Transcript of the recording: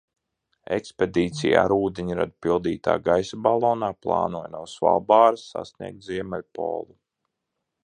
Ekspedīcija ar ūdeņradi pildītā gaisa balonā plānoja no Svalbāras sasniegt Ziemeļpolu.